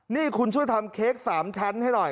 นี่คุณช่วยทำเค้ก๓ชั้นให้หน่อย